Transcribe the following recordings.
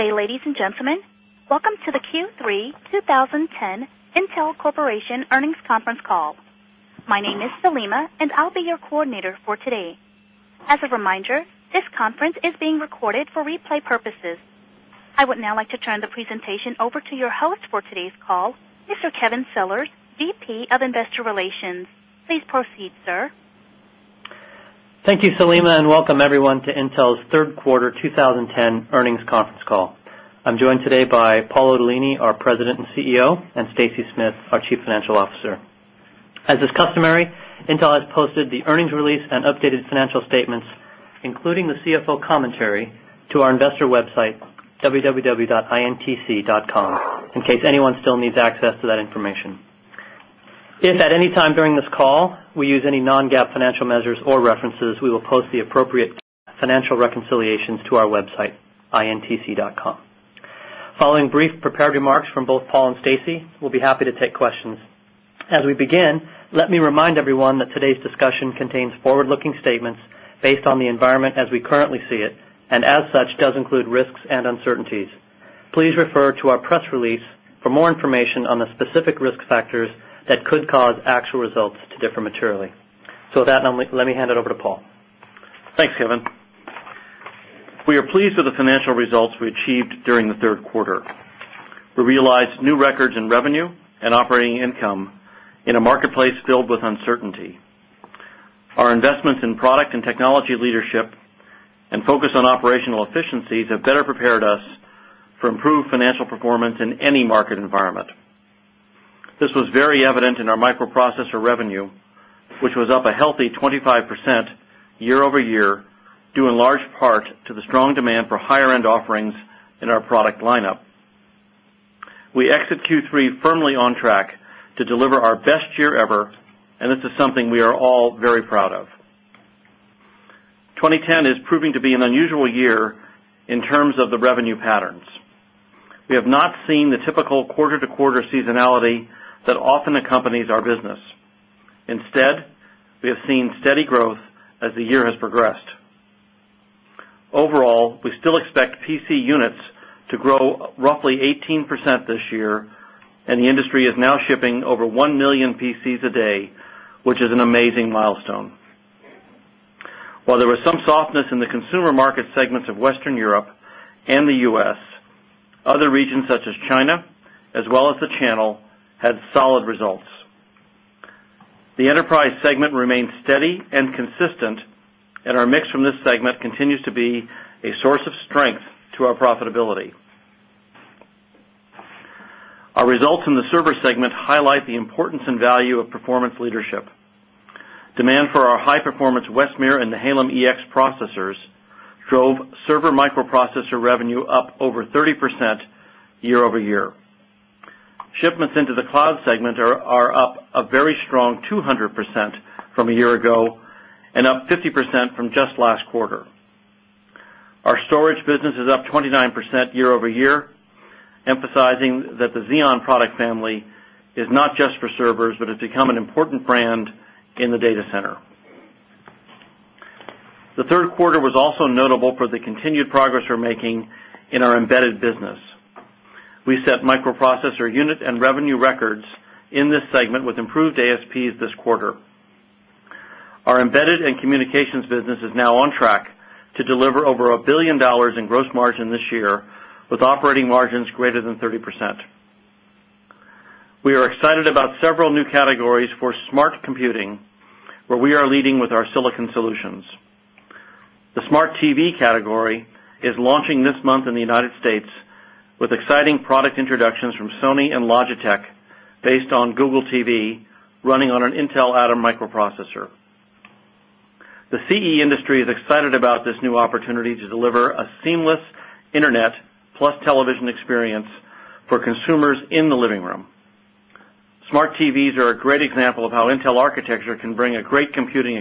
Good day, ladies and gentlemen. Welcome to the Q3 2010 Intel Corporation Earnings Conference Call. My name is Salima, and I'll be your coordinator for today. As a reminder, this conference is being recorded for replay purposes. I would now like to turn the presentation over to your host for today's call, Mr. Kevin Sellars, VP of Investor Relations. Please proceed, sir. Thank you, Salima, and welcome everyone to Intel's Q3 2010 earnings conference call. I'm joined today by Paolo Delini, our President and CEO and Stacy Smith, our Chief Financial Officer. As is customary, Intel has posted the earnings release and updated financial statements, including the CFO commentary to our investor website, www.intc.com, in case anyone still needs access to that information. If at any time during this call we use any non GAAP financial measures or references, we will post the appropriate financial reconciliations to our website, intc.com. Following brief prepared remarks from both Paul and Stacy, we'll be happy to take questions. As we begin, Let me remind everyone that today's discussion contains forward looking statements based on the environment as we currently see it and as such does include risks and uncertainties. Please refer to our press release for more information on the specific risk factors that could cause actual results to differ materially. So with that, let me hand it over to Paul. Thanks, Kevin. We are pleased with the financial results we achieved during the Q3. We realized new records in revenue and operating income in a marketplace filled with uncertainty. Our investments in product and technology leadership and focus on operational efficiencies have better prepared us for improved financial performance in any market environment. This was very evident in our microprocessor revenue, which was up a healthy 25% year over year due in large part to the strong demand for higher end offerings in our product lineup. We exit Q3 firmly on track to deliver our best year ever and this is something we are all very proud of. 2010 is proving to be an unusual year In terms of the revenue patterns, we have not seen the typical quarter to quarter seasonality that often accompanies our business. Instead, we have seen steady growth as the year has progressed. Overall, we still expect PC units to grow roughly 18% this year and the industry is now shipping over 1,000,000 PCs a day, which is an amazing milestone. While there was some softness in the consumer market segments of Western Europe and the U. S, other regions such as China as well as the channel had solid results. The Enterprise segment remains steady and consistent and our mix from this segment continues to be a source of strength to our profitability. Our results in the server segment highlight the importance and value of performance leadership. Demand for our high performance Westmere and the Halem EX Processors drove server microprocessor revenue up over 30% year over year. Shipments into the cloud segment are up a very strong 200% from a year ago and up 50% from just last quarter. Our storage business is up 29% year over year, emphasizing that the Xeon product family is not just for servers, but has become an important brand in the data center. The 3rd quarter was also notable for the continued progress we're making in our Embedded business. We set microprocessor unit and revenue records in this segment with improved ASPs this quarter. Our Embedded and Communications business is now on track to deliver over $1,000,000,000 in gross margin this year with operating margins greater than 30%. We are excited about several new categories for smart computing, where we are leading with our silicon solutions. The smart TV category is launching this month in the United States with exciting product introductions from Sony and Logitech based on Google TV running on an Intel Atom microprocessor. The CE industry is excited about this new opportunity to deliver a seamless Internet plus television experience for consumers in the living room. Smart TVs are a great example of how Intel architecture can bring a great computing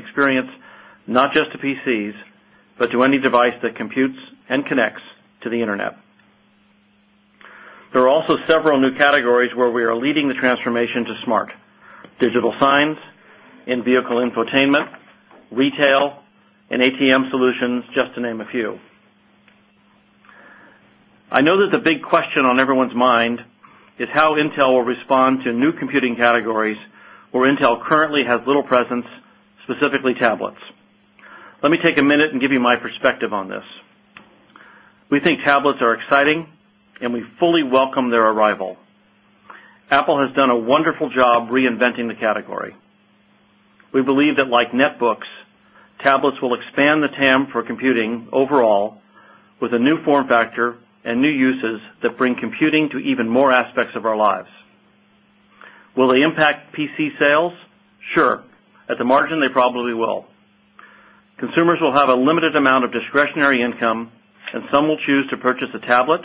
There are also several new categories where we are leading the transformation to smart: digital signs, in vehicle infotainment, retail and ATM Solutions just to name a few. I know that the big question on everyone's mind It's how Intel will respond to new computing categories where Intel currently has little presence, specifically tablets. Let me take a minute and give you my perspective on this. We think tablets are exciting and we fully welcome their arrival. Apple has done a wonderful job reinventing the category. We believe that like netbooks, tablets will expand the TAM for computing overall with a new form factor and new uses that bring computing to even more aspects of our lives. Will they impact PC sales? Sure. At the margin, they probably will. Consumers will have a limited amount of discretionary income and some will choose to purchase a tablet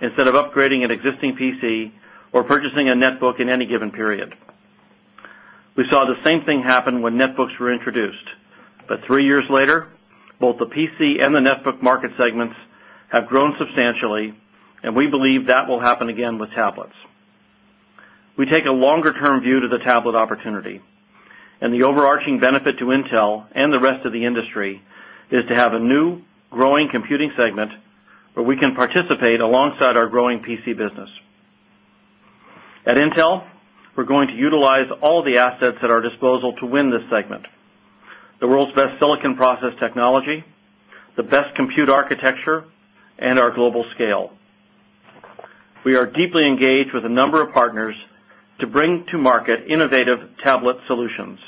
Instead of upgrading an existing PC or purchasing a netbook in any given period. We saw the same thing happen when netbooks were introduced. But 3 years later, both the PC and the network market segments have grown substantially and we believe that will happen again with tablets. We take a longer term view to the tablet opportunity and the overarching benefit to Intel and the rest of the industry is to have a new growing Computing segment where we can participate alongside our growing PC business. At Intel, we're going to utilize all the assets at our disposal to win this segment. The world's best silicon process technology, the best compute architecture and our global scale. We are deeply engaged with a number of partners to bring to market innovative tablet solutions.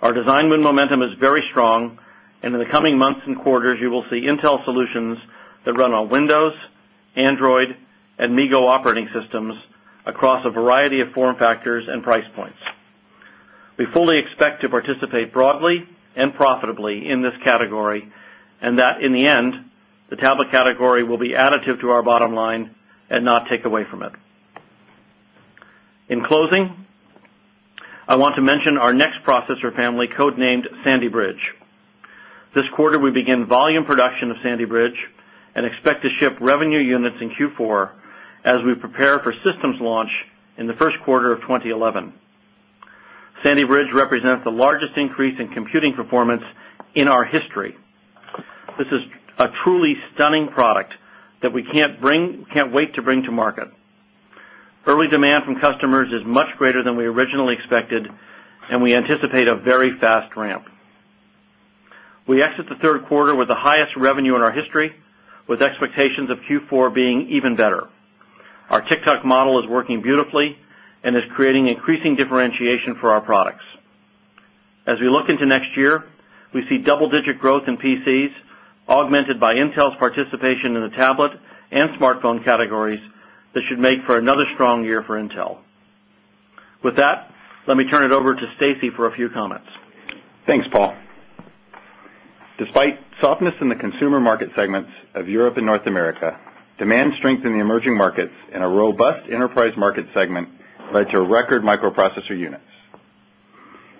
Our design win momentum is very strong and in the coming months and quarters you will see Intel solutions that run on Windows, Android and MeGo operating systems across a variety of form factors and price points. We fully expect to participate broadly and profitably in this category and that in the end, the tablet category will be additive to our bottom line and not take away from it. In closing, I want to mention our next processor family code named Sandy Bridge. This quarter, we begin volume production of Sandy Bridge and expect to ship revenue units in Q4 as we prepare for systems launch in the Q1 of 2011. Sandy Bridge represents the largest increase in computing performance in our history. This is a truly stunning product that we can't bring can't wait to bring to market. Early demand from customers is much greater than we originally expected and we anticipate a very fast ramp. We exit the 3rd quarter with the highest revenue in our history with expectations of Q4 being even better. Our TikTok model is working beautifully and is creating increasing differentiation for our products. As we look into next year, We see double digit growth in PCs, augmented by Intel's participation in the tablet and smartphone categories that should make for another strong year for Intel. With that, let me turn it over to Stacy for a few comments. Thanks, Paul. Despite softness in the consumer market segments Of Europe and North America, demand strength in the emerging markets in a robust enterprise market segment led to record microprocessor units.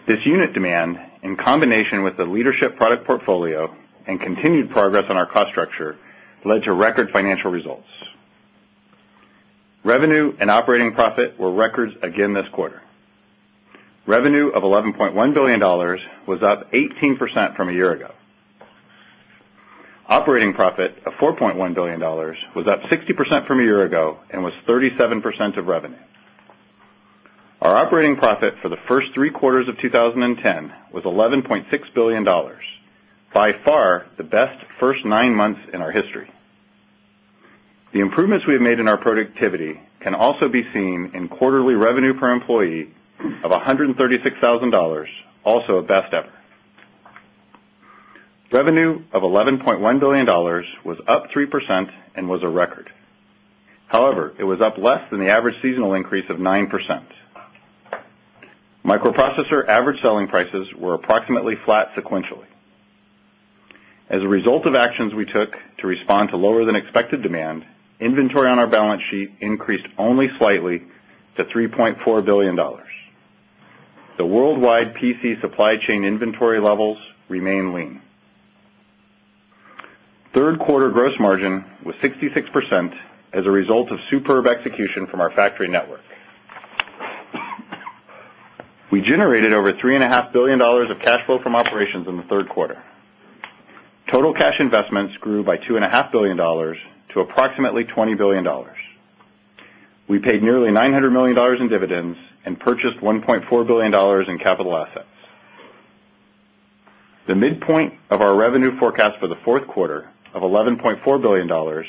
This unit demand, in combination with the leadership product portfolio and continued progress on our cost structure, led to record financial results. Revenue and operating profit were records again this quarter. Revenue of $11,100,000,000 was up 18% from a year ago. Operating profit of $4,100,000,000 was up 60% from a year ago and was 37% of revenue. Our operating profit for the 1st 3 quarters of 2010 was $11,600,000,000 by far the best first 9 months in our history. The improvements we have made in our productivity can also be seen in quarterly revenue per employee of $136,000 also a best ever. Revenue of $11,100,000,000 was up 3% and was a record. However, it was up less than the average seasonal increase of 9%. Microprocessor average selling prices were approximately flat sequentially. As a result of actions we took to respond to lower than expected demand, inventory on our balance sheet increased only slightly to $3,400,000,000 The worldwide PC supply chain inventory levels remain lean. 3rd quarter gross margin was 66% as a result of superb execution from our factory network. We generated over $3,500,000,000 of cash flow from operations in the 3rd quarter. Total cash investments grew by $2,500,000,000 to approximately $20,000,000,000 We paid nearly $900,000,000 in dividends and purchased $1,400,000,000 in capital assets. The midpoint of our revenue forecast for the Q4 of $11,400,000,000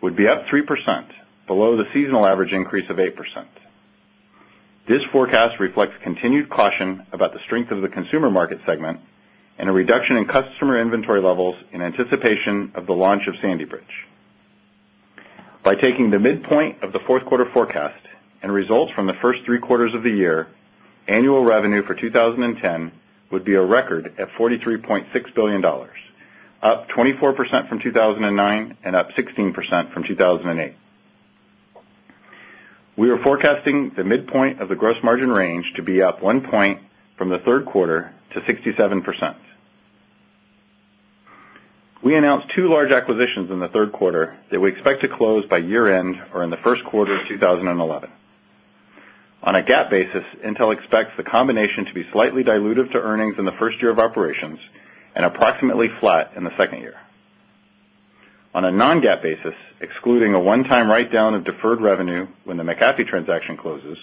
would be up 3% below the seasonal average increase of 8%. This forecast reflects continued caution about the strength of the consumer market segment and a reduction in customer inventory levels in anticipation of the launch of Sandy Bridge. By taking the midpoint of the 4th quarter forecast and results from the 1st 3 quarters of the year, annual revenue for 2010 would be a record at $43,600,000,000 up 24% from 2,009 and up 16% from 2,008. We are forecasting the midpoint of the gross margin range to be up 1 point from the 3rd quarter to 67%. We announced 2 large acquisitions in the 3rd quarter that we expect to close by year end or in the Q1 of 2011. On a GAAP basis, Intel expects the combination to be slightly dilutive to earnings in the 1st year of operations and approximately flat in the 2nd year. On a non GAAP basis, excluding a one time write down of deferred revenue when the McAfee transaction closes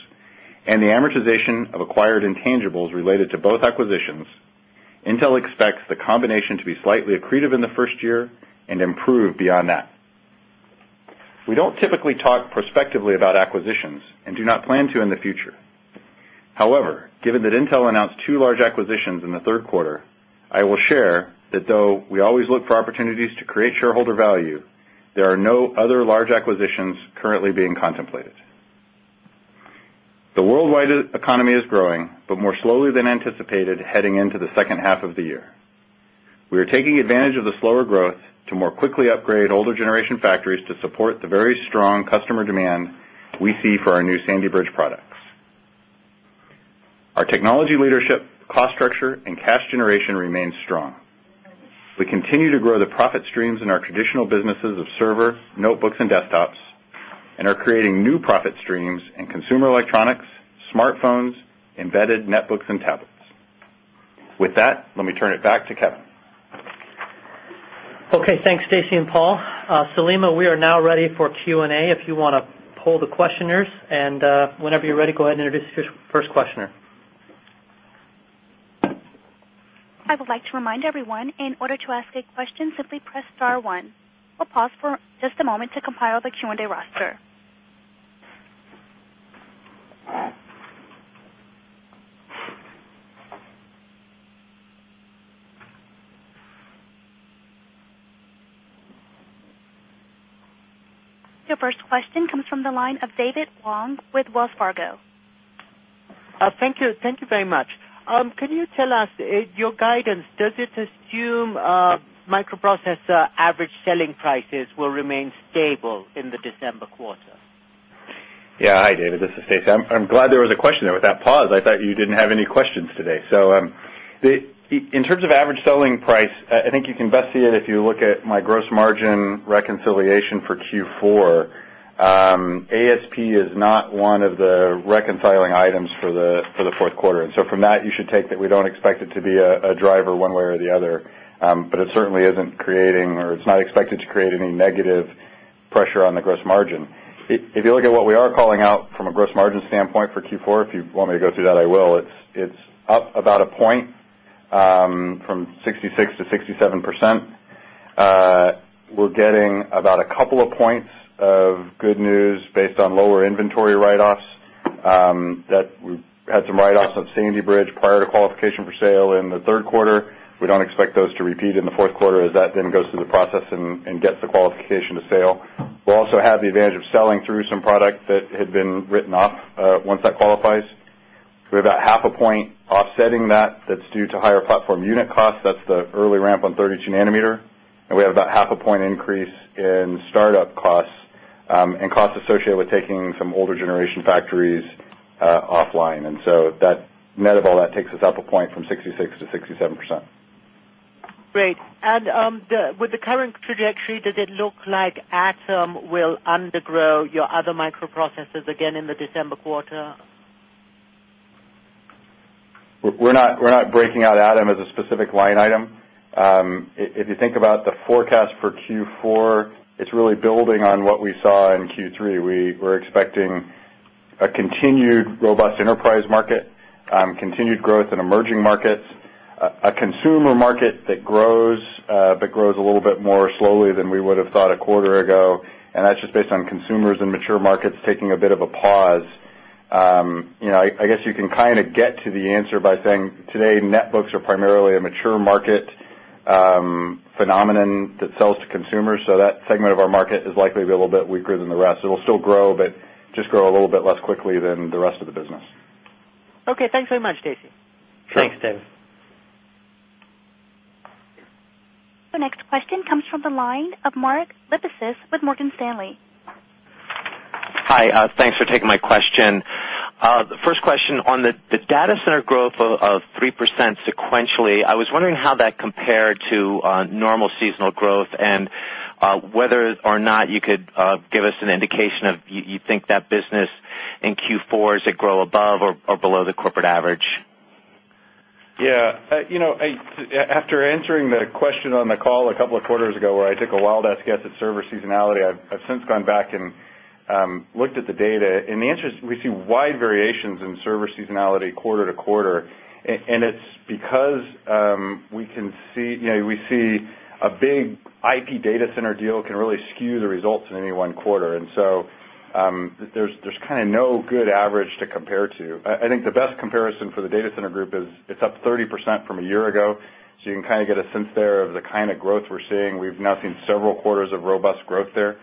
and the amortization of acquired intangibles related to both acquisitions, Intel expects the combination to be slightly accretive in the 1st year and improve beyond that. We don't typically talk prospectively about acquisitions and do not plan to in the future. However, given that Intel announced 2 large acquisitions in the 3rd quarter, I will share that though we always look for opportunities to create shareholder value, there are no other large acquisitions currently being contemplated. The worldwide economy is growing, but more slowly than anticipated heading into the second half of the year. We are taking advantage of the slower growth to more quickly upgrade older generation factories to support the very strong customer demand we see for our new Sandy Bridge products. Our technology leadership, cost structure and cash generation remains strong. We continue to grow the profit streams in our traditional businesses of server, notebooks and desktops and are creating new profit streams in consumer electronics, smartphones, embedded netbooks and tablets. With that, let me turn it back to Kevin. Okay. Thanks, Stacy and Paul. Saleema, we are now ready for Q and A. If you want to Your first question comes from the line of David Wong with Wells Fargo. Thank you very much. Can you tell us your guidance, does it assume Yes. Hi, David. This is Stacy. I'm glad there was a question there Pause. I thought you didn't have any questions today. So in terms of average selling price, I think you can best see it if you look at my gross margin reconciliation for Q4, ASP is not one of the reconciling items for the Q4. And so from that, you We don't expect it to be a driver one way or the other, but it certainly isn't creating or it's not expected to create any negative Pressure on the gross margin. If you look at what we are calling out from a gross margin standpoint for Q4, if you want me to go through that, I will. It's up about a point From 66% to 67%. We're getting about a couple of points of Good news based on lower inventory write offs that we had some write offs of Sandy Bridge prior to qualification for sale in the Q3. We don't expect those to repeat in the Q4 as that then goes through the process and gets the qualification to sale. We'll also have the advantage of selling through some product that It's been written off once that qualifies. We're about 0.5. Offsetting that, that's due to higher platform unit costs. That's the early ramp on 30 2 nanometer. We have about 0.5. Increase in start up costs and costs associated with taking some older generation factories Offline and so that net of all that takes us up a point from 66% to 67%. Great. And with the current trajectory, Drew, does it look like ATOM will undergrow your other microprocessors again in the December quarter? We're not breaking out Adam as a specific line item. If you think about the forecast for Q4, It's really building on what we saw in Q3. We were expecting a continued robust enterprise market, continued growth in emerging markets, A consumer market that grows, but grows a little bit more slowly than we would have thought a quarter ago, and that's just based on I guess you can kind of get to the answer by saying today netbooks are primarily a mature market Phenomenon that sells to consumers, so that segment of our market is likely to be a little bit weaker than the rest. It will still grow, but Just grow a little bit less quickly than the rest of the business. Okay. Thanks very much, Stacy. Sure. Thanks, Dave. The next question comes from the line of Mark Lipacis with Morgan Stanley. Hi, thanks for taking my question. The first question on the data center growth of 3% sequentially, I was wondering how that Compared to normal seasonal growth and whether or not you could give us an indication of you think that business In Q4, does it grow above or below the corporate average? Yes. After answering the question on the call a couple Quarters ago where I took a wildest guess at server seasonality. I've since gone back and looked at the data. And the answer is we see wide variations in server quarter to quarter. And it's because, we can see we see a big IP data center deal can really the results in any one quarter. And so, there's kind of no good average to compare to. I think the best comparison for the data center group It's up 30% from a year ago. So you can kind of get a sense there of the kind of growth we're seeing. We've now seen several quarters of robust growth there.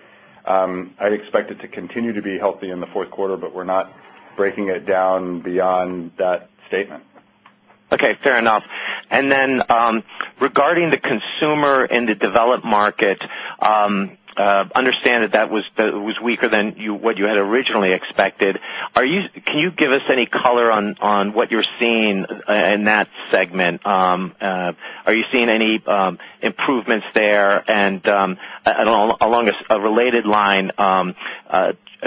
I'd expect it to continue to be healthy in the 4th quarter, but we're not breaking it down beyond that statement. Okay, fair enough. And then regarding the consumer and the developed market, Understand that that was weaker than what you had originally expected. Can you give us any color on what you're seeing In that segment, are you seeing any improvements there? And along a related line,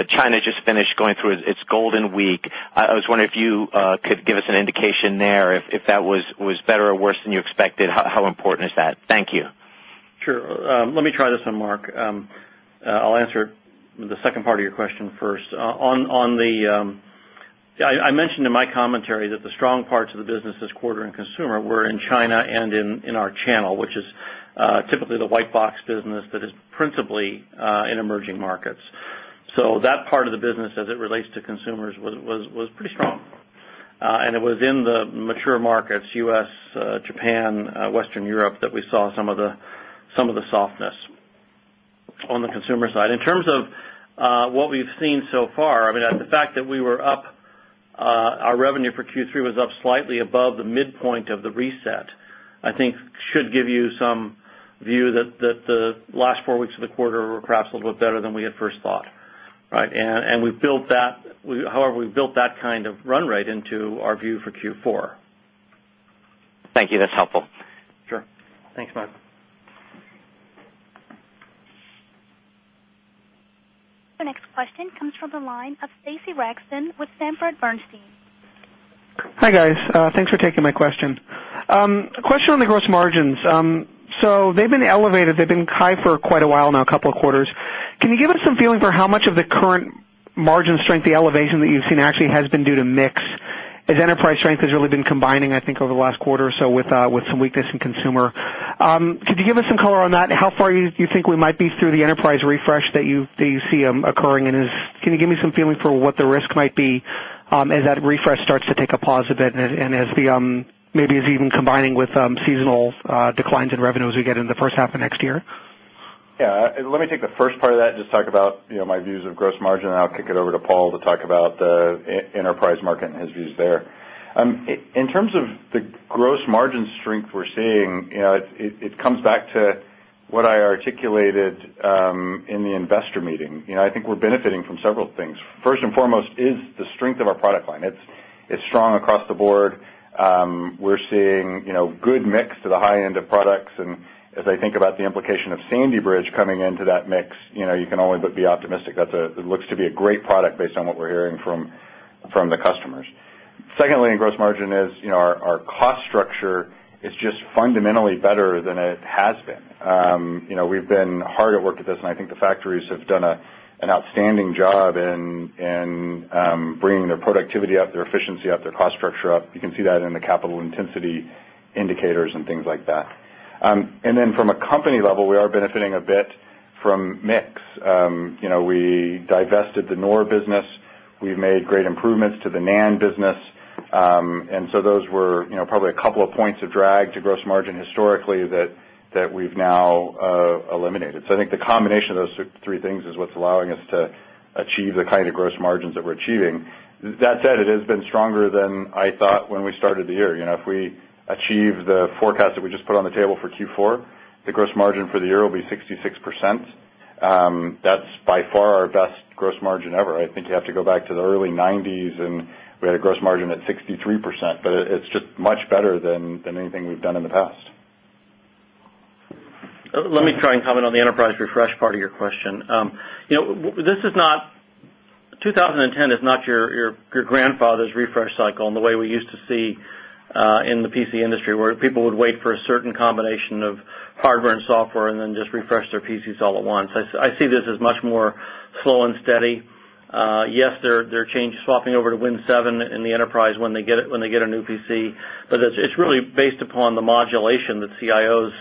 China just finished going through its Golden Week. I was wondering if you could give us an indication there if that was better or worse than you How important is that? Thank you. Sure. Let me try this on Mark. I'll answer the second part of your question first. On the Yes. I mentioned in my commentary that the strong parts of the business this quarter in consumer were in China and in our channel, which is typically the white box business that is principally in emerging markets. So that part of the business as it relates to consumers was pretty strong. And it was in the mature markets, U. S, Japan, Western Europe that we saw some of the softness on the consumer side. In terms of What we've seen so far, I mean, the fact that we were up, our revenue for Q3 was up slightly above the midpoint of the reset, I think should give you some view that the last 4 weeks of the quarter were perhaps a little bit better than we had first thought, Right. And we've built that however, we've built that kind of run rate into our view for Q4. Thank you. That's helpful. Sure. Thanks, Matt. The next question comes from the line of Stacy Braxton with Sanford Bernstein. Hi, guys. Thanks for taking my question. A question on the gross margins. So they've been elevated. They've been high for quite a while now, a couple of quarters. Can you give us some feeling for how much of the current margin strength the elevation that you've seen actually has been due to mix as Enterprise strength has really been combining, I think, over the last quarter or so with some weakness in consumer. Could you give us some color on that? How far you think we might be through the enterprise refresh that you can you give me some feeling for what the risk might be as that refresh starts to take a pause a bit and as the Maybe it's even combining with seasonal declines in revenues we get in the first half of next year? Yes. Let me take the first part of that and just talk about My views of gross margin, and I'll kick it over to Paul to talk about the enterprise market and his views there. In terms of the gross margin strength we're It comes back to what I articulated in the investor meeting. I think we're benefiting from several things. 1st and foremost is the strength of our product line. It's strong across the board. We're seeing good mix to the high end of products. And As I think about the implication of Sandy Bridge coming into that mix, you can only be optimistic. That's a it looks to be a great product based on what we're hearing From the customers. Secondly, in gross margin is our cost structure is just fundamentally better than it has been. We've been hard at work with this and I think the factories have done an outstanding job in bringing their productivity up, their efficiency up, their cost structure up. And then from a company level, we are benefiting a bit From mix, we divested the NOR business. We've made great improvements to the NAND business. And so those were probably a couple of points of drag to gross margin historically that we've now eliminated. So I think the combination of those Three things is what's allowing us to achieve the kind of gross margins that we're achieving. That said, it has been stronger than I thought when we started the year. If we Achieve the forecast that we just put on the table for Q4, the gross margin for the year will be 66%. That's By far our best gross margin ever. I think you have to go back to the early 90s and we had a gross margin at 63%, but it's just much better than anything we've done in the past. Let me try and comment on the enterprise refresh part of your question. This is not 2010 is not your grandfather's refresh cycle and the way we used to see in the PC industry where people would wait for a certain combination of Hardware and software and then just refresh their PCs all at once. I see this as much more slow and steady. Yes, they're Swapping over to Win 7 in the enterprise when they get a new PC, but it's really based upon the modulation that CIOs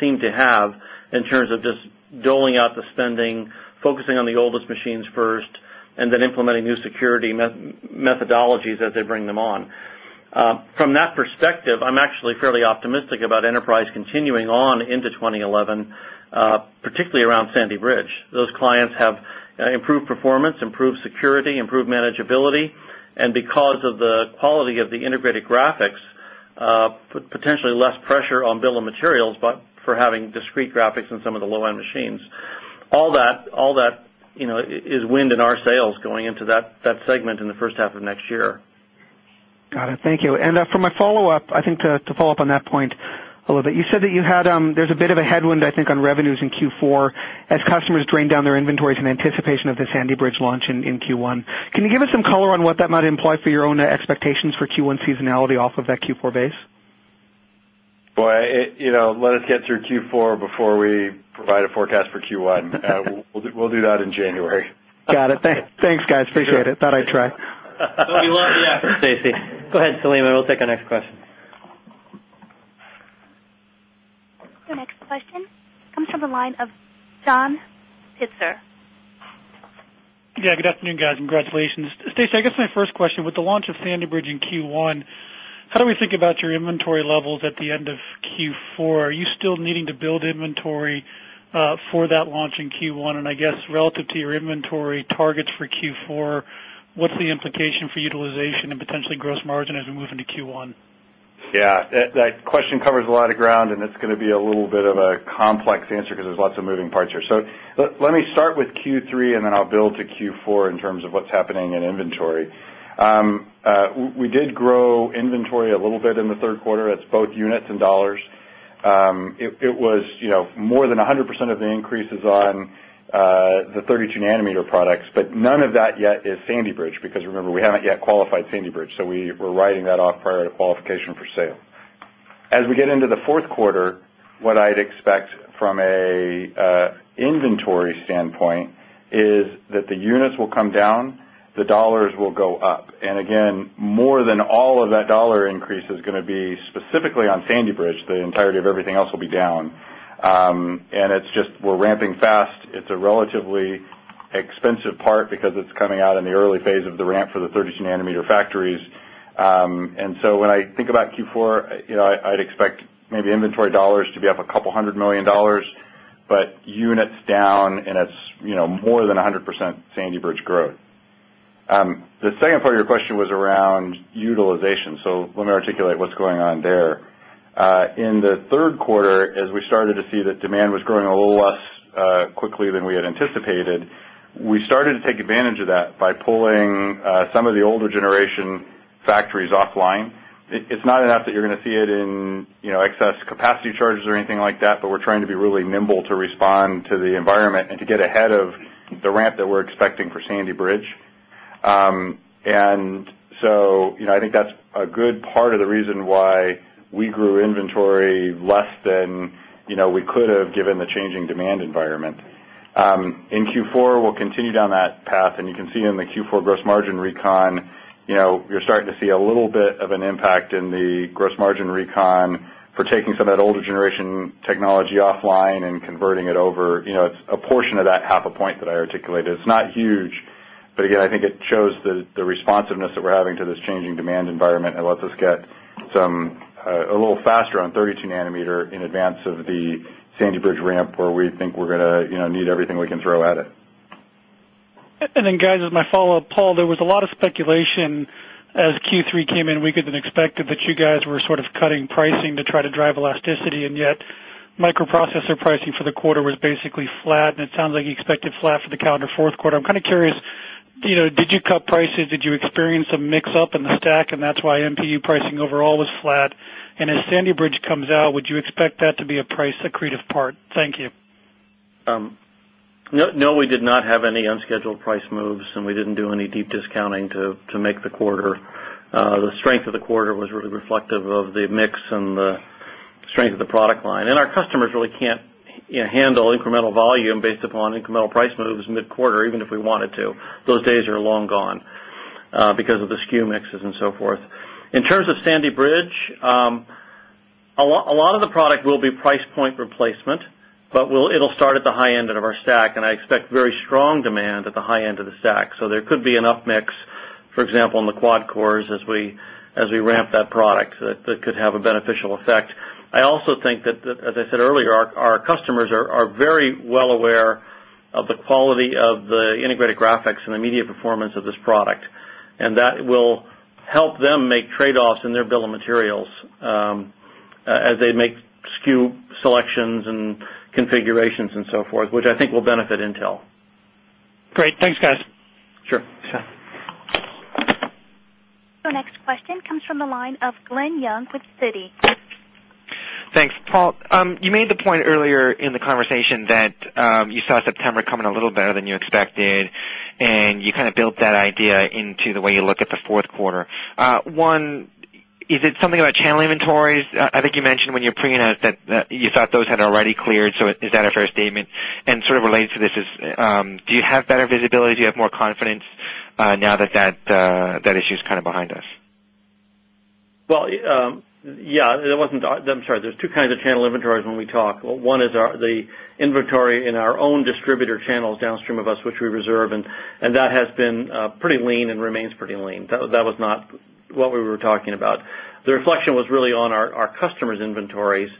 seem to have In terms of just doling out the spending, focusing on the oldest machines first and then implementing new security methodologies as they bring them on. From that perspective, I'm actually fairly optimistic about Enterprise continuing on into 2011, particularly around Sandy Bridge. Those clients have Improved performance, improved security, improved manageability and because of the quality of the integrated graphics, Potentially less pressure on bill of materials, but for having discrete graphics in some of the low end machines. All that You know, is wind in our sales going into that segment in the first half of next year. Got it. Thank you. And for my follow-up, I think to follow-up on that point You said that you had there's a bit of a headwind I think on revenues in Q4 as customers drain down their inventories in anticipation of the Sandy Bridge launch in Q1. You give us some color on what that might imply for your own expectations for Q1 seasonality off of that Q4 base? Well, let us get through Q4 before we Provide a forecast for Q1. We'll do that in January. Got it. Thanks guys. Appreciate it. Thought I'd try. Stacy. Go ahead Selima. We'll take our next question. Your next question comes from the line of John Pitzer. Yes. Good afternoon, guys. Congratulations. Stacy, I guess my first question with the launch of Sander Bridge in Q1, how do we think about your inventory levels at the end of Q4, are you still needing to build inventory for that launch in Q1? And I guess relative to your inventory targets for Q4, What's the implication for utilization and potentially gross margin as we move into Q1? Yes. That question covers a lot of ground and it's going to be a little bit of a Complex answer because there's lots of moving parts here. So let me start with Q3 and then I'll build to Q4 in terms of what's happening in inventory. We did grow inventory a little bit in the 3rd quarter. It's both units and dollars. It was More than 100% of the increase is on the 32 nanometer products, but none of that yet is Sandy Bridge because remember we haven't yet qualified Sandy Bridge. So we As we get into the Q4, what I'd expect from an inventory standpoint Is that the units will come down, the dollars will go up. And again, more than all of that dollar increase is going to be Specifically on Sandy Bridge, the entirety of everything else will be down. And it's just we're ramping fast. It's a relatively Expensive part because it's coming out in the early phase of the ramp for the 32 nanometer factories. And so when I think about Q4, I'd expect Maybe inventory dollars to be up a couple of $100,000,000 but units down and it's more than 100 percent Sandy Bridge growth. The second part of your question was around utilization. So let me articulate what's going on there. In the Q3, as we started to see that demand Growing a little less quickly than we had anticipated. We started to take advantage of that by pulling some of the older generation Factories offline. It's not enough that you're going to see it in excess capacity charges or anything like that, but we're trying to be really nimble to respond to the environment and to get ahead of The ramp that we're expecting for Sandy Bridge. And so I think that's a good part of the reason why We grew inventory less than we could have given the changing demand environment. In Q4, we'll continue down that And you can see in the Q4 gross margin recon, you're starting to see a little bit of an impact in the gross margin recon For taking some of that older generation technology offline and converting it over, it's a portion of that half a point that I articulated. It's not huge. But again, I think it shows the responsiveness that we're having to this changing demand environment and let's us get some a little faster on 32 nanometer in advance of the Sandy Bridge ramp where we think we're going to need everything we can throw at it. And then guys, as my follow-up, Paul, there was a lot of speculation As Q3 came in weaker than expected that you guys were sort of cutting pricing to try to drive elasticity and yet microprocessor pricing The quarter was basically flat and it sounds like you expected flat for the calendar Q4. I'm kind of curious, did you cut prices? Did you experience a mix up in the stack and that's No, we did not have any unscheduled price moves and we didn't do any deep discounting to make the quarter. The strength of the quarter was really reflective of the mix and the Strength of the product line and our customers really can't handle incremental volume based upon incremental price moves mid quarter even if we wanted to. Those days are long gone because of the SKU mixes and so forth. In terms of Sandy Bridge, a lot of the product will be price point replacement, But it will start at the high end of our STACK and I expect very strong demand at the high end of the STACK. So there could be an up mix, for example, in the quad cores As we ramp that product, that could have a beneficial effect. I also think that, as I said earlier, our customers are very well aware of the quality of the integrated graphics and the media performance of this product and that will help them make trade offs in their bill of materials As they make SKU selections and configurations and so forth, which I think will benefit Intel. Great. Thanks guys. Sure. Your next question comes from the line of Glenn Young with Citi. Thanks, Paul. You made the point earlier in the conversation that you saw September coming a little better than you expected And you kind of built that idea into the way you look at the Q4. One, is it something about channel inventories? I think you mentioned When you're preannounced that you thought those had already cleared. So is that a fair statement? And sort of related to this is, do you have better visibility? Do you have more confidence Now that, that issue is kind of behind us. Well, yes, it wasn't I'm sorry, there's 2 kinds of channel inventories when we talk. 1 is the Inventory in our own distributor channels downstream of us, which we reserve and that has been pretty lean and remains pretty lean. That was not what we were talking about. The reflection was really on our customers' inventories.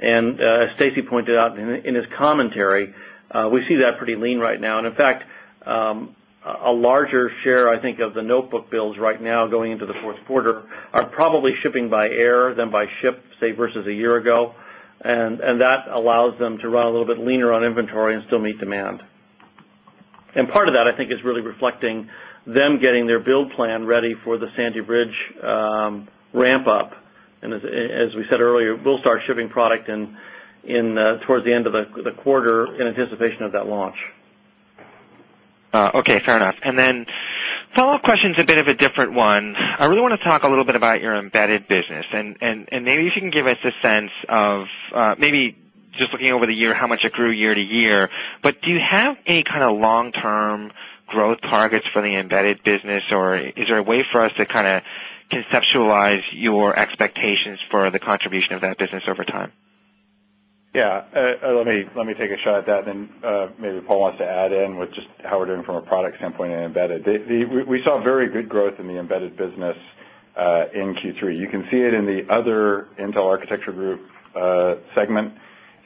And as Stacy pointed out in his commentary, we see that pretty lean right now. And in fact, A larger share, I think, of the notebook builds right now going into the Q4 are probably shipping by air than by ship, say, versus a year ago. And that allows them to run a little bit leaner on inventory and still meet demand. And part of that I think is really reflecting Them getting their build plan ready for the Sandy Bridge ramp up. And as we said earlier, we'll start shipping product In towards the end of the quarter in anticipation of that launch. Okay, fair enough. And then Follow-up question is a bit of a different one. I really want to talk a little bit about your embedded business and maybe if you can give us a sense of Maybe just looking over the year, how much it grew year to year, but do you have any kind of long term growth targets For the embedded business or is there a way for us to kind of conceptualize your expectations for the contribution of that business over time? Yes. Let me take a shot at that and then maybe Paul wants to add in with just how we're doing from a product standpoint in embedded. We saw very good growth in the embedded Business in Q3. You can see it in the other Intel Architecture Group segment.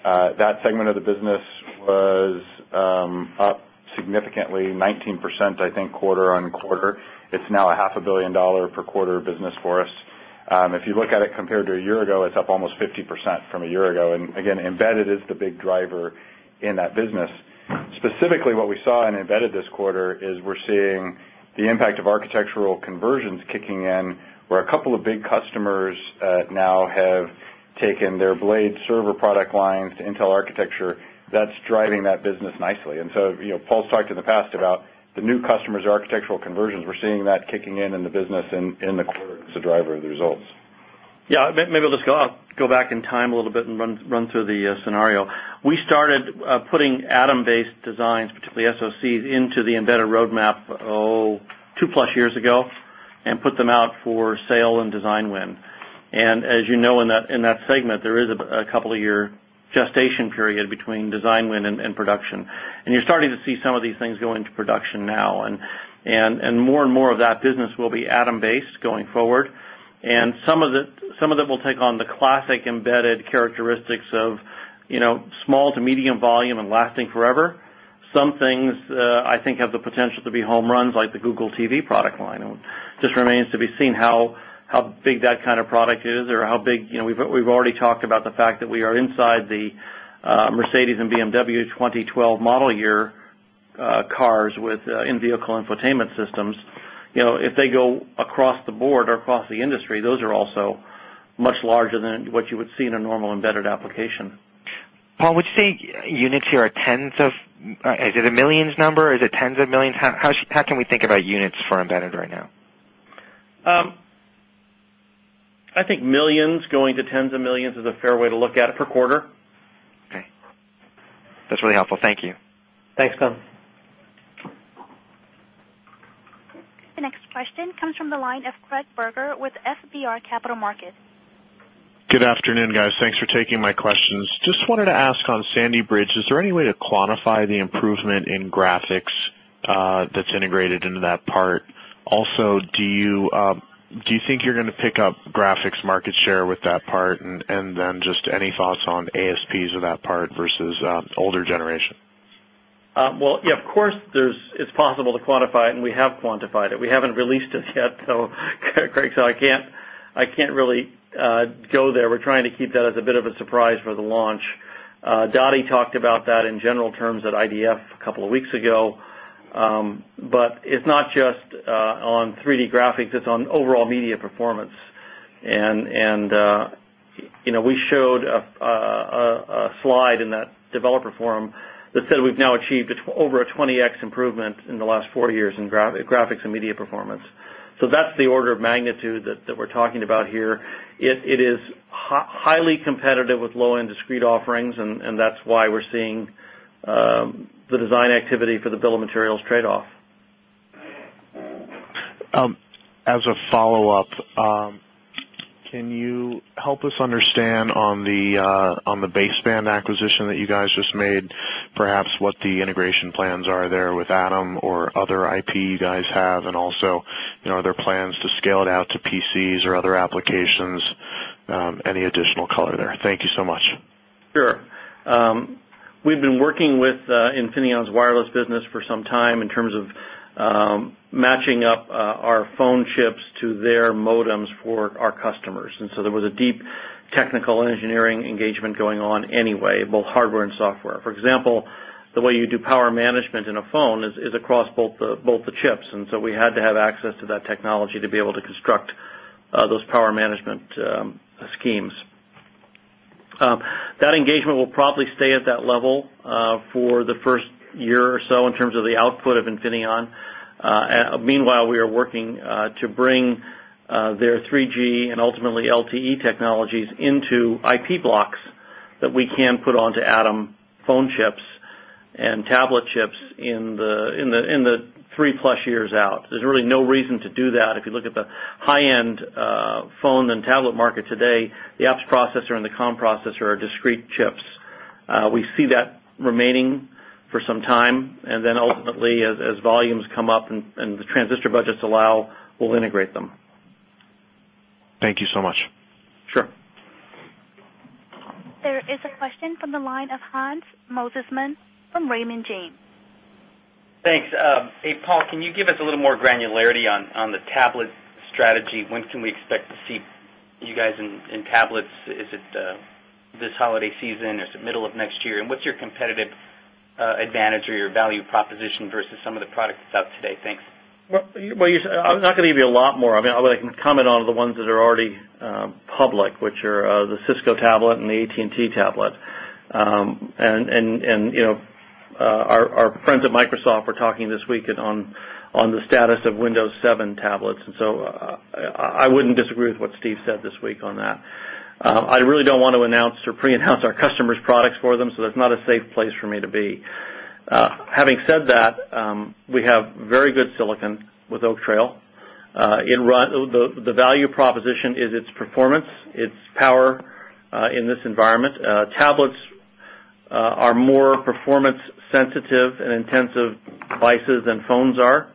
That segment of the business It was up significantly 19%, I think quarter on quarter. It's now a $500,000,000 per quarter business for us. If you look at it compared to a year ago, it's up almost 50% from a year ago. And again, embedded is the big driver in that business. Specifically, what we saw and embedded this quarter is we're seeing the impact of architectural conversions kicking in where a couple of big customers now have Taken their blade server product lines to Intel architecture, that's driving that business nicely. And so Paul's talked in the past about The new customers' architectural conversions, we're seeing that kicking in, in the business in the quarter as a driver of the results. Yes. Maybe I'll just Go back in time a little bit and run through the scenario. We started putting atom based designs, particularly SoCs into the embedded roadmap 2 plus years ago and put them out for sale and design win. And as you know in that segment, there is a couple of year gestation period between design win and production. And you're starting to see some of these things go into production now and more and more of that business will be atom based Going forward and some of that will take on the classic embedded characteristics of small to medium volume and lasting forever. Some things, I think have the potential to be home runs like the Google TV product line. It just remains to be seen how Big that kind of product is or how big we've already talked about the fact that we are inside the Mercedes and BMW 2012 model year Cars with in vehicle infotainment systems, if they go across the board or across the industry, those are also Much larger than what you would see in a normal embedded application. Paul, would you say units here are tens of is it a millions number? Is How can we think about units for embedded right now? I think millions going to The next question comes from the line of Craig Berger with FBR Capital Markets. Good afternoon, guys. Thanks for taking my questions. Just wanted to ask on Sandy Bridge, is there any way to quantify the improvement in graphics That's integrated into that part. Also, do you think you're going to pick up graphics market share with that part? And then just any thoughts on ASPs Fees of that part versus older generation? Well, yes, of course, there's it's possible to quantify it and we have quantified it. We haven't released it yet. So, Craig, so I can't really go there. We're trying to keep that as a bit of a surprise for the launch. Dottie talked about that in general terms at IDF Couple of weeks ago, but it's not just on 3 d graphics, it's on overall media performance. And We showed a slide in that developer forum that said we've now achieved over a 20x Improvement in the last 4 years in graphics and media performance. So that's the order of magnitude that we're talking about here. It is Highly competitive with low end discrete offerings and that's why we're seeing the design activity for the bill of materials trade off. As a follow-up, can you help us understand On the baseband acquisition that you guys just made, perhaps what the integration plans are there with Atom or other IP you guys have? And also Are there plans to scale it out to PCs or other applications? Any additional color there? Thank you so much. Sure. We've been working with Infineon's wireless business for some time in terms of matching up our phone chips To their modems for our customers. And so there was a deep technical engineering engagement going on anyway, both hardware and software. For example, The way you do power management in a phone is across both the chips and so we had to have access to that technology to be able to construct Those power management schemes. That engagement will probably stay at that level For the 1st year or so in terms of the output of Infineon, meanwhile, we are working to bring There are 3 gs and ultimately LTE technologies into IP blocks that we can put on to Atom phone chips And tablet chips in the 3 plus years out. There's really no reason to do that. If you look at the high end phone and tablet market today, The apps processor and the COM processor are discrete chips. We see that remaining for some time. And then ultimately, as volumes come up and There is a question from the line of Hans Mosesmann from Raymond James. Thanks. Paul, can you give us a little more granularity on the tablet Strategy, when can we expect to see you guys in tablets? Is it this holiday season or is it middle of next year? And what's your competitive Advantage or your value proposition versus some of the products that's out today? Thanks. Well, I was not going to give you a lot more. I mean, I would like to comment on the ones that are already Public, which are the Cisco tablet and the AT and T tablet. And our friends at Microsoft were talking this week On the status of Windows 7 tablets. And so I wouldn't disagree with what Steve said this week on that. I really don't want to announce pre enhance our customers' products for them, so that's not a safe place for me to be. Having said that, we have very good silicon with Oak Trail. The value proposition is its performance, its power in this environment. Tablets are more performance Sensitive and intensive devices and phones are,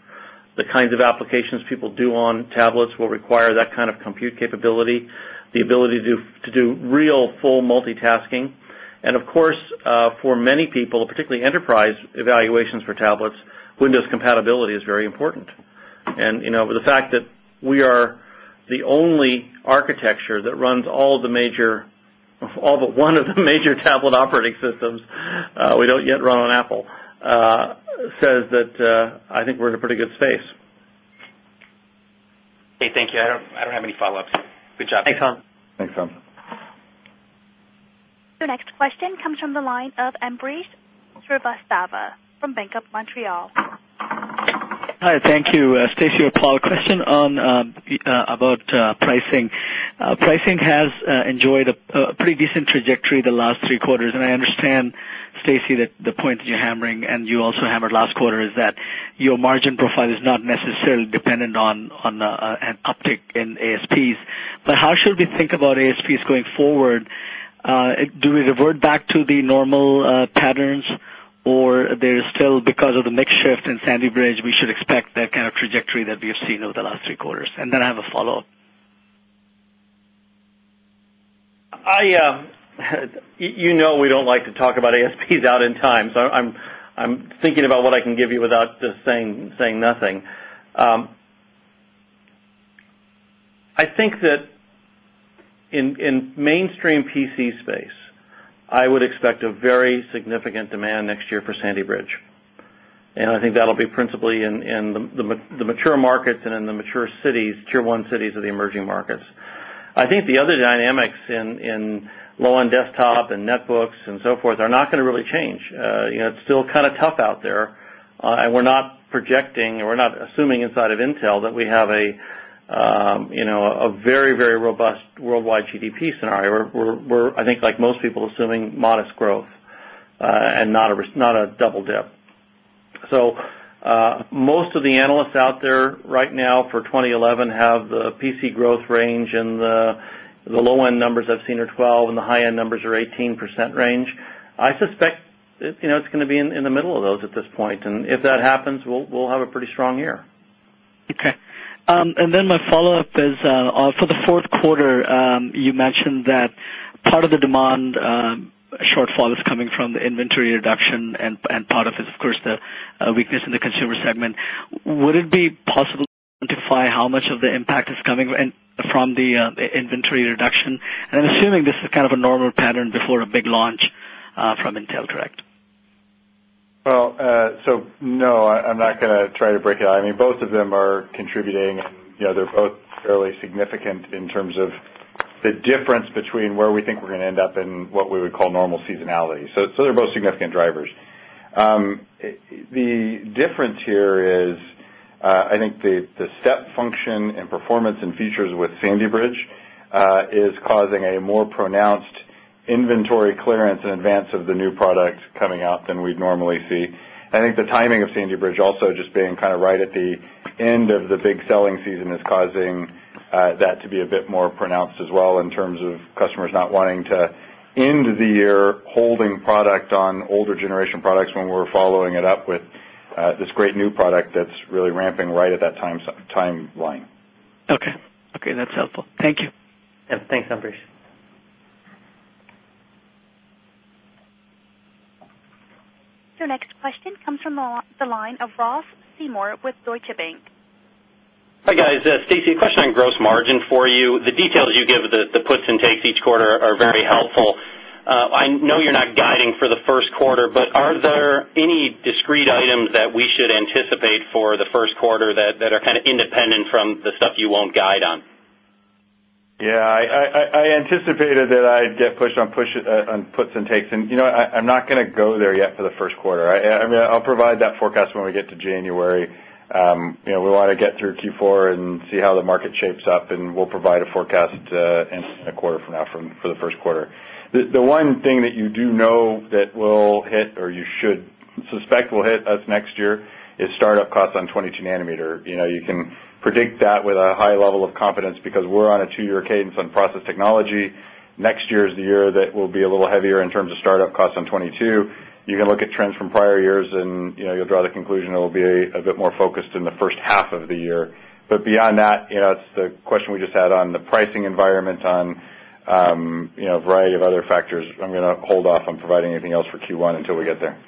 the kinds of applications people do on tablets will require that kind of compute capability, The ability to do real full multitasking and of course, for many people, particularly enterprise evaluations for tablets, Windows compatibility is very important. And over the fact that we are the only architecture that runs all the major All but one of the major tablet operating systems, we don't yet run on Apple, says that, I think we're in a pretty good space. Hey, thank you. I don't have any follow ups. Good job. Thanks, Tom. Thanks, Tom. Your next question comes from the line of Ambrish Srivastava from Bank of Montreal. Hi, thank you. Stacey or Paul, a question on about pricing. Pricing has enjoyed a pretty decent trajectory the last three quarters. And I understand, Stacy, that the point that you're hammering and you also hammered last quarter is that Your margin profile is not necessarily dependent on an uptick in ASPs. But how should we think about ASPs going forward? Do we revert back to the normal patterns or there is still because of the mix shift in Sandy Bridge, we should expect that kind of trajectory that we have seen over the last three quarters? And then I have a follow-up. I you know we don't like to talk about ASPs out in time. So I'm thinking about what I can give you without just saying nothing. I think that In mainstream PC space, I would expect a very significant demand next year for Sandy Bridge. And I think that will be principally in the mature markets and in the mature cities, Tier 1 cities of the emerging markets. I think the other dynamics in Low on desktop and netbooks and so forth are not going to really change. It's still kind of tough out there. We're not projecting or we're not Assuming inside of Intel that we have a very, very robust worldwide GDP scenario, we're I think like most people assuming modest growth And not a double dip. So most of the analysts out there right now For 2011, have PC growth range and the low end numbers I've seen are 12% and the high end numbers are 18% range. I suspect It's going to be in the middle of those at this point. And if that happens, we'll have a pretty strong year. Okay. And then my follow-up is for the 4th Quarter, you mentioned that part of the demand shortfall is coming from the inventory reduction and part of it, of course, the Weakness in the consumer segment, would it be possible to identify how much of the impact is coming from the inventory And assuming this is kind of a normal pattern before a big launch from Intel Direct? Well, so No, I'm not going to try to break it out. I mean, both of them are contributing. They're both fairly significant in terms of The difference between where we think we're going to end up and what we would call normal seasonality. So they're both significant drivers. The difference here is, I think the step function and performance and features with Sandy Bridge is causing a more pronounced Inventory clearance in advance of the new product coming out than we'd normally see. I think the timing of Sandy Bridge also just being kind of right at the End of the big selling season is causing that to be a bit more pronounced as well in terms of customers not wanting to End of the year holding product on older generation products when we're following it up with this great new product that's really ramping right at that timeline. Okay. Okay, that's helpful. Thank you. Yes. Thanks, Ambrish. Your next question comes from the line of Ross Seymore with Deutsche Bank. Hi, guys. Stacey, a question on gross margin for you. The details you give, The puts and takes each quarter are very helpful. I know you're not guiding for the Q1, but are there any discrete items that we should anticipate for the first Quarter that are kind of independent from the stuff you won't guide on? Yes. I anticipated that I'd get pushed on puts and takes. And I'm not I'll provide that forecast when we get to January. We want to get through Q4 and See how the market shapes up and we'll provide a forecast in the quarter from now for the Q1. The one thing that you do know that will hit or you should Suspect will hit us next year is start up costs on 22 nanometer. You can predict that with a high level of confidence because we're on a 2 year cadence on process technology. Next year is the year that will be a little heavier in terms of start up costs in 2022. You can look at trends from prior years and you'll draw the conclusion it will be a bit more focused In the first half of the year, but beyond that, that's the question we just had on the pricing environment on a variety of other factors. I'm going to hold off on providing anything else for Q1 until we get there.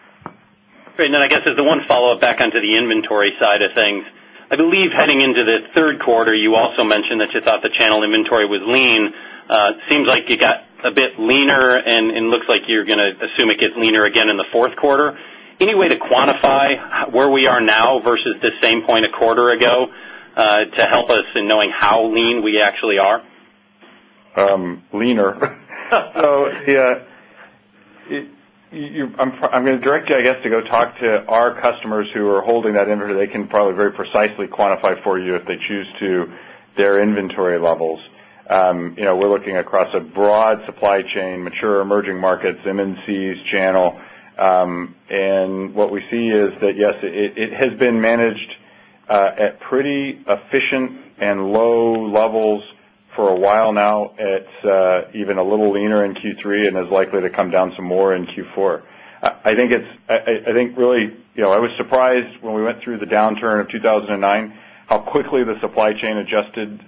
Great. And then I guess as the one follow-up back onto the inventory side of things, I believe heading into the Q3, you also mentioned that you thought the channel inventory was lean. It seems like you got a bit leaner and it looks like You're going to assume it gets leaner again in the Q4. Any way to quantify where we are now versus the same point a quarter ago To help us in knowing how lean we actually are? Leaner. So I'm going to direct you, I guess, to go talk to our customers who are holding that inventory. They can probably very precisely quantify for you if they choose to Their inventory levels, we're looking across a broad supply chain, mature emerging markets, MNCs channel. And what we see is that, yes, it has been managed at pretty efficient and low levels For a while now, it's even a little leaner in Q3 and is likely to come down some more in Q4. I think it's I think really, I was surprised when we went through the downturn of 2,009 how quickly the supply chain adjusted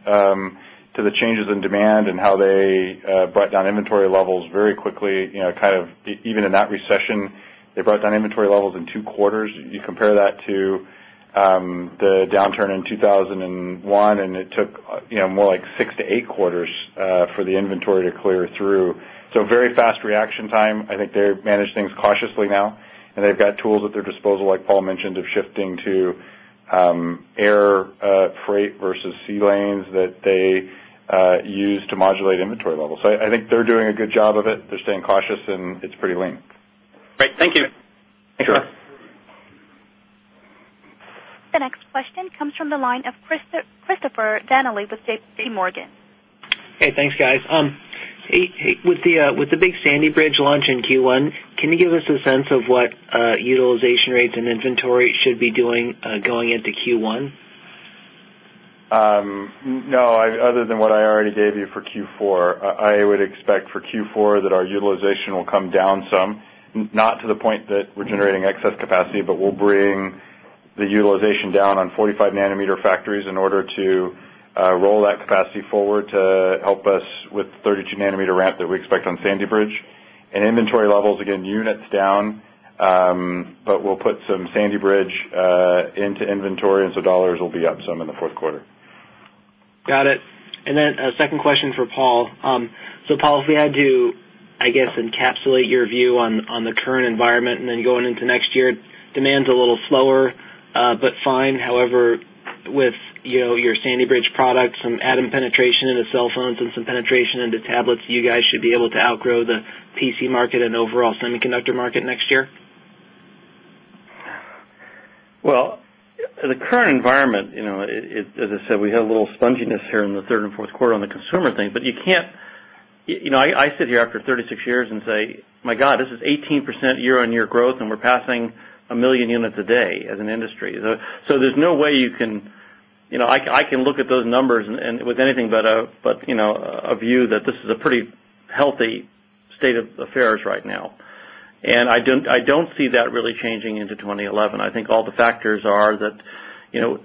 to the changes in demand and how they Brought down inventory levels very quickly, kind of even in that recession, they brought down inventory levels in 2 quarters. You compare that to The downturn in 2001 and it took more like 6 to 8 quarters for the inventory to clear through. So very fast reaction time. I think they manage things cautiously now and they've got tools at their disposal like Paul mentioned of shifting to Air freight versus sea lanes that they use to modulate inventory levels. So I think they're doing a good job of it. They're staying cautious and it's pretty Great. Thank you. Thanks, Eric. The next question comes from the line of Christopher Donnelly with JPMorgan. Hey, thanks guys. With the Big Sandy Bridge launch in Q1, can you give us a sense of what utilization rates and inventory should be doing Going into Q1? No. Other than what I already gave you for Q4, I would expect In order to roll that capacity forward to help us with 32 nanometer ramp that we expect on Sandy Bridge and inventory levels again units down, But we'll put some Sandy Bridge into inventory and so dollars will be up some in the Q4. Got it. And then second question for Paul. So Paul, if we had to, I guess, encapsulate your view on the current environment and then going into next year, Demand is a little slower, but fine. However, with your Sandy Bridge products and Adam penetration into cell phones and some penetration into You guys should be able to outgrow the PC market and overall semiconductor market next year? Well, the current environment, as I said, we have a little sponginess here in the 3rd Q4 on the consumer thing. But you can't I sit here after 36 years and say, my God, this is 18% year on year growth and we're passing 1,000,000 units a day as an industry. So there's no way you can I can look at those numbers and with anything but a view that this is a pretty healthy state of affairs right now? And I don't see that really changing into 2011. I think all the factors are that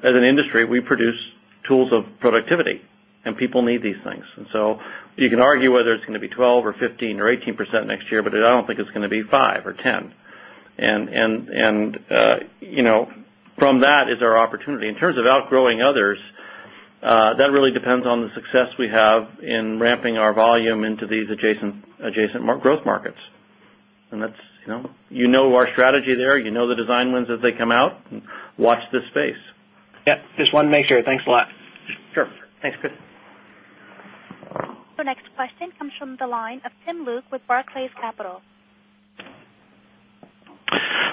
as an industry, we produce Tools of productivity and people need these things. And so you can argue whether it's going to be 12% or 15% or 18% next year, but I don't think it's going to be 5% or 10 And from that is our opportunity. In terms of outgrowing others, that really depends on the success we have In ramping our volume into these adjacent growth markets. And that's you know our strategy there, you know the design wins as they come out, Watch this space. Yes. Just want to make sure. Thanks a lot. Sure. Thanks, Chris. Your next question comes from the line of Tim Luke with Barclays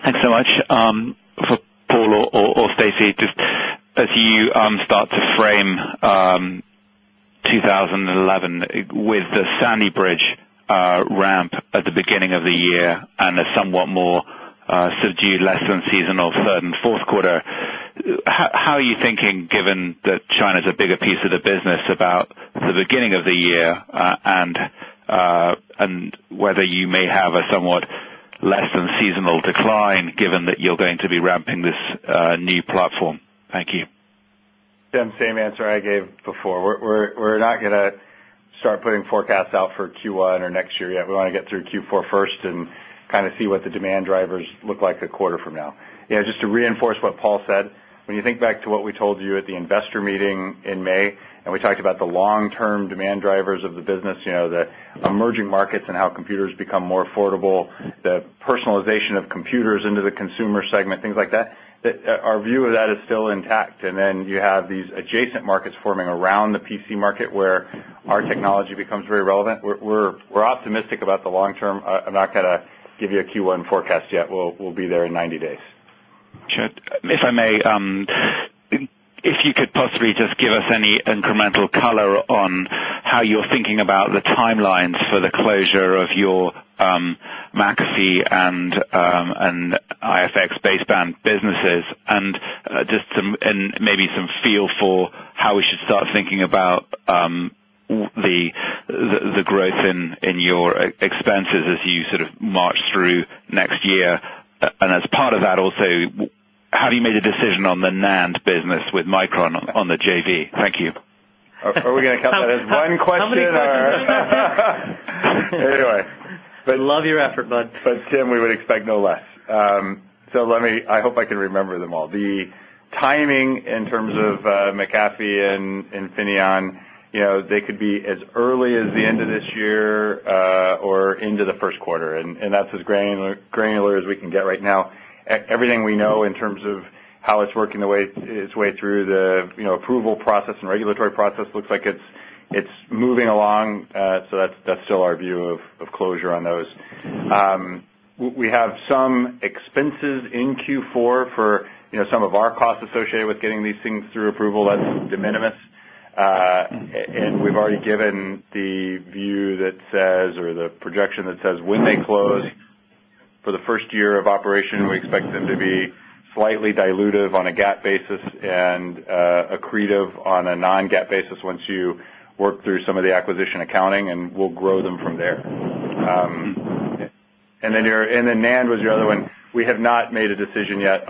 Thanks so much. For Paul or Stacy, just as you start to frame 2011 with the Sandy Bridge ramp at the beginning of the year and a somewhat more So due to less than seasonal third and fourth quarter, how are you thinking given that China is a bigger piece of the business about The beginning of the year and whether you may have a somewhat less than seasonal decline given that you're going to be ramping this New platform. Thank you. Jim, same answer I gave before. We're not going to start putting forecasts out for Q1 or next We want to get through Q4 first and kind of see what the demand drivers look like a quarter from now. Yes, just to reinforce what Paul said, When you think back to what we told you at the Investor Meeting in May and we talked about the long term demand drivers of the business, the Emerging markets and how computers become more affordable, the personalization of computers into the consumer segment, things like that, our view of that is still intact. And then you have these adjacent markets forming around the PC market where our technology becomes very relevant. We're optimistic about the long term. I'm not going to Give you a Q1 forecast yet, we'll be there in 90 days. Sure. If I may, if you could possibly just give us any incremental color on How you're thinking about the timelines for the closure of your McAfee and IFX Baseband Businesses and just some and maybe some feel for how we should start thinking about The growth in your expenses as you sort of march through next year and as part of that also Have you made a decision on the NAND business with Micron on the JV? Thank you. Are we going to count that as one question? Anyway, I love your effort, Budd. But Tim, we would expect no less. So let me I hope I can remember them all. The timing in terms of MacAfee And Infineon, they could be as early as the end of this year or into the Q1 and that's as granular as we can get right now. Everything we know in terms of how it's working its way through the approval process and regulatory process looks like It's moving along, so that's still our view of closure on those. We have some Expenses in Q4 for some of our costs associated with getting these things through approval, that's de minimis. And we've already given the View that says or the projection that says when they close for the 1st year of operation, we expect them to be Slightly dilutive on a GAAP basis and accretive on a non GAAP basis once you work through some of the acquisition Accounting and we'll grow them from there. And then NAND was the other one. We have not made a decision yet And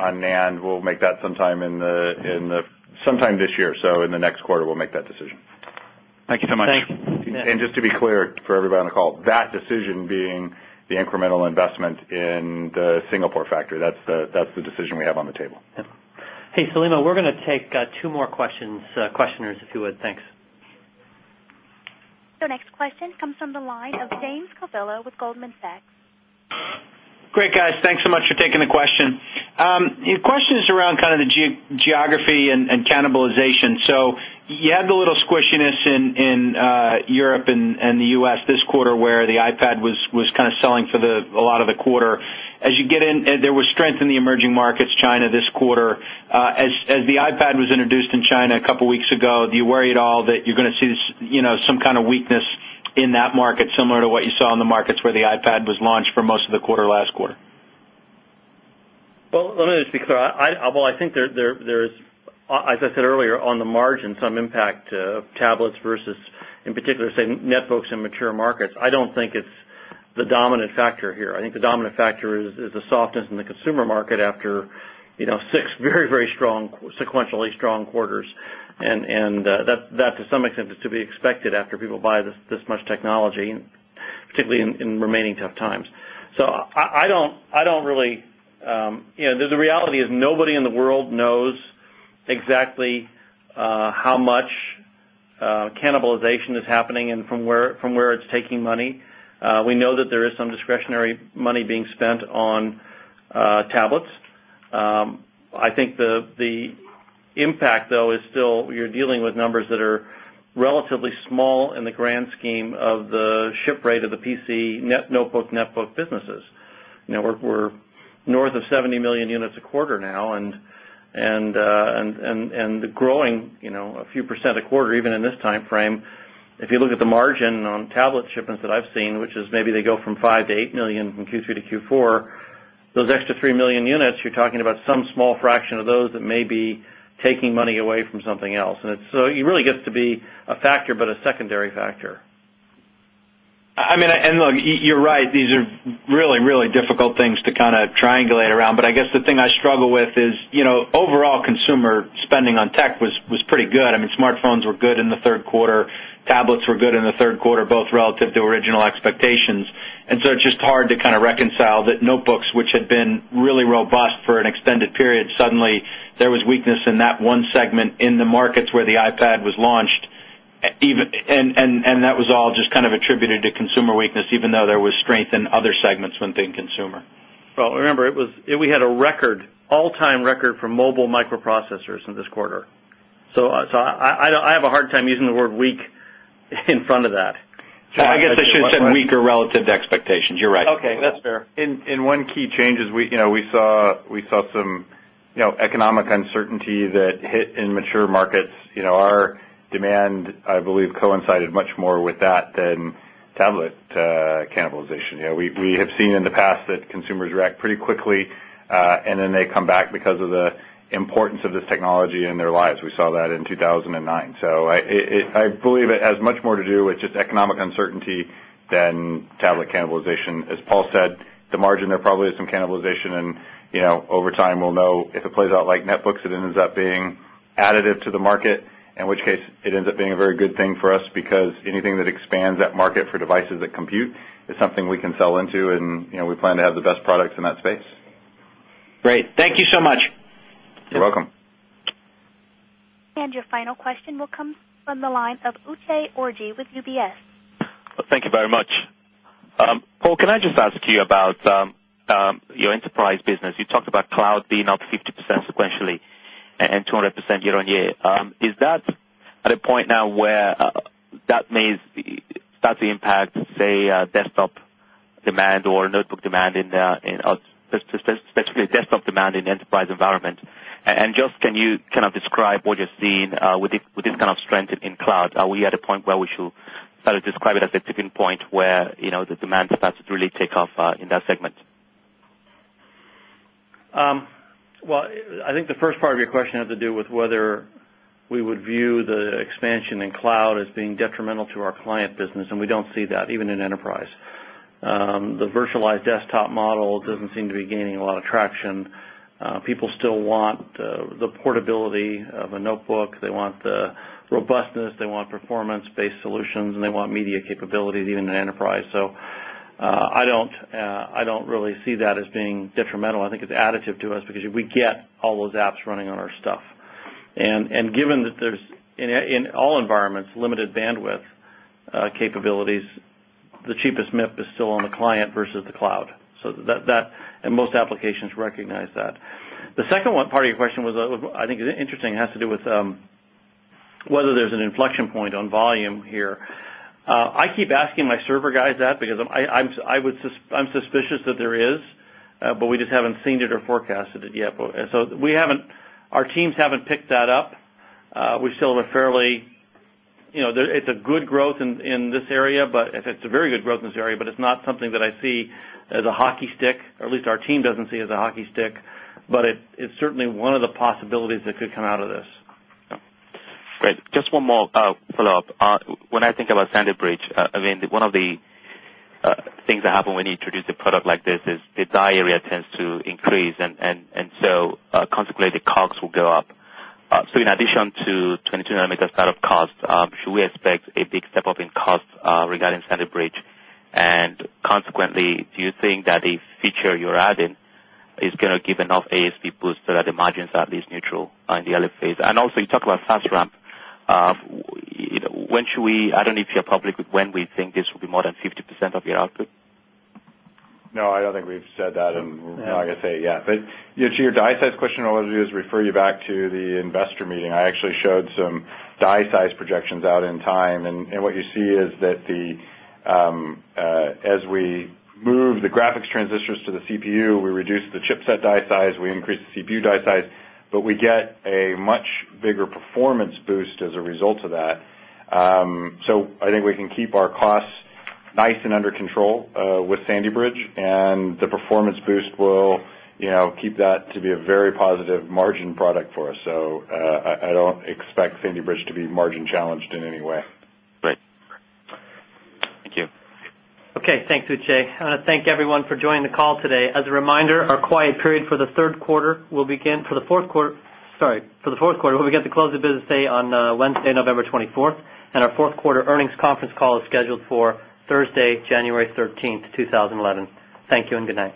just to be clear That decision being the incremental investment in the Singapore factory, that's the decision we have on the table. Hey, Selima, we're going to take 2 more questions, questioners if you would. Thanks. Your next question comes from the line of James Covello with Goldman Sachs. Great, guys. Thanks so much for taking the question. Your question is around kind of the geography and cannibalization. So You had the little squishiness in Europe and the U. S. This quarter where the iPad was kind of selling for the a lot of the quarter. As you get in, there was strength in the emerging markets China this quarter. As the iPad was introduced in China a couple of weeks ago, do you worry at all that you're going to see Some kind of weakness in that market similar to what you saw in the markets where the iPad was launched for most of the quarter last quarter? Well, let me just be clear. I think there is, as I said earlier, on the margin, some impact to tablets versus, In particular, say, Netbooks and Mature Markets, I don't think it's the dominant factor here. I think the dominant factor is the softness in the consumer market after 6 very, very strong sequentially strong quarters and that to some extent is to be expected after people buy this much technology, Particularly in remaining tough times. So I don't really, the reality is nobody in the world knows exactly How much cannibalization is happening and from where it's taking money. We know that there is some discretionary money being spent on Tablets. I think the impact though is still you're dealing with numbers that are Relatively small in the grand scheme of the ship rate of the PC net notebook netbook businesses. We're North of 70,000,000 units a quarter now and growing a few percent a quarter even in this timeframe. If you look at the margin on tablet shipments that I've seen, which is maybe they go from 5000000 to 8000000 from Q3 to Q4, those extra 3000000 units, you're talking about some small fraction Those that may be taking money away from something else. And it's so it really gets to be a factor, but a secondary factor. I mean, and look, you're right, these are really, really difficult things to kind of triangulate around. But I guess the thing I struggle with is overall consumer Spending on tech was pretty good. I mean smartphones were good in the Q3. Tablets were good in the Q3 both relative to original expectations. So it's just hard to kind of reconcile that notebooks, which had been really robust for an extended period, suddenly there was weakness in One segment in the markets where the iPad was launched and that was all just kind of attributed to consumer weakness even though there was strength in other segments when thinking consumer. Well, remember, it was we had a record, all time record for mobile microprocessors in this quarter. So I have a hard time using the word weak In front of that. I guess it should have been weaker relative to expectations. You're right. Okay. That's fair. In one key change is we saw some Economic uncertainty that hit in mature markets, our demand, I believe, coincided much more with that than Tablet cannibalization, yes, we have seen in the past that consumers react pretty quickly, and then they come back because of the Importance of this technology in their lives, we saw that in 2,009. So I believe it has much more to do with just economic uncertainty Then tablet cannibalization, as Paul said, the margin there probably is some cannibalization and over time we'll know if it plays out like netbooks it ends up being Additive to the market, in which case it ends up being a very good thing for us because anything that expands that market for devices that compute is And your final question will come from the line of Ute Orji with UBS. Thank you very much. Paul, can I just ask you about Your enterprise business, you talked about cloud being up 50% sequentially and 200% year on year? Is that at a point now where That may start to impact, say, desktop demand or notebook demand in especially desktop demand in enterprise environment. And just can you kind of describe what you're seeing with this kind of strength in cloud? Are we at a point where we should sort of describe it as a tipping point where the demand starts to really take off in that segment? Well, I think the first part of your question has to do with whether We would view the expansion in cloud as being detrimental to our client business, and we don't see that even in enterprise. Top model doesn't seem to be gaining a lot of traction. People still want the portability of a notebook. They want the Robustness, they want performance based solutions and they want media capabilities even in enterprise. So I don't really see that being detrimental. I think it's additive to us because we get all those apps running on our stuff. And given that there's, in all environments, limited bandwidth Capabilities, the cheapest MIP is still on the client versus the cloud. So that and most applications recognize that. The second one part of your question was I think interesting has to do with whether there's an inflection point on volume here. I keep asking my server guys that because I'm suspicious that there is, but we just haven't seen it or forecasted it yet. So we haven't Our teams haven't picked that up. We still have a fairly it's a good growth in this area, but it's a very good growth in this area, but it's not something that I see As a hockey stick, at least our team doesn't see it as a hockey stick, but it's certainly one of the possibilities that could come out of this. Great. Just one more follow-up. When I think about Sandipridge, I mean, one of the things that happen when you introduce a product like this is the dye area tends to And so, concentrated COGS will go up. So in addition to 22 nanometer startup costs, should we expect a big step up in cost Regarding Thunder Bridge. And consequently, do you think that the feature you're adding is going to give enough ASP And also you talked about fast ramp. When should we I don't know if you're public with when we think this will be more than 50 No, I don't think we've said that. And I guess, yes, but to your die size question, what I'll do is I actually showed some die size projections out in time and what you see is that the As we move the graphics transistors to the CPU, we reduce the chipset die size, we increase the CPU die size, But we get a much bigger performance boost as a result of that. So I think we can keep our costs Nice and under control with Sandy Bridge and the performance boost will keep that to be a very positive margin product for us. So I don't Okay. Thanks, Uche. I want to thank everyone for joining the call As a reminder, our quiet period for the Q3 will begin for the Q4 sorry, for the Q4, we'll begin the close of business day on Wednesday, November 24, And our Q4 earnings conference call is scheduled for Thursday, January 13, 2011. Thank you and good night.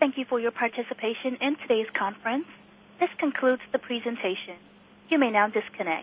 Thank you for your participation in today's conference. This concludes the presentation. You may now disconnect.